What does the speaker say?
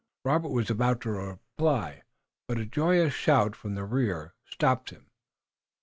Robert was about to reply, but a joyous shout from the rear stopped him.